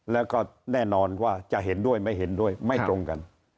แล้วก็แน่นอนว่าจะเห็นด้วยไม่เห็นด้วยไม่ตรงกัน